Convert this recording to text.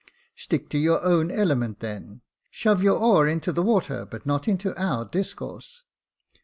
"Stick to your own element then — shove your oar into the water, but not into our discourse."